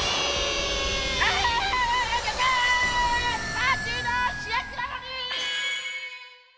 パーティーのしゅやくなのに！